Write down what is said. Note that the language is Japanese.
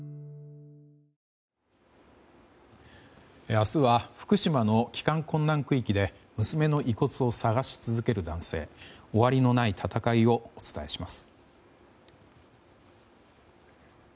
明日は福島の帰還困難区域で娘の遺骨を探し続ける男性終わりのない闘いをお伝えします。